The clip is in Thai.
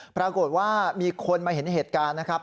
ปรากฏว่ามีคนมาเห็นเหตุการณ์นะครับ